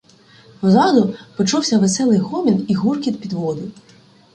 Позаду почувся веселий гомін і гуркіт підводи.